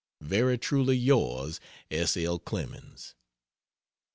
Very truly yours, S. L. CLEMENS.